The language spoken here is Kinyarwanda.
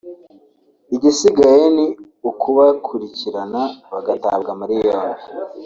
igisigaye ni ukubakurikirana bagatabwa muri yombi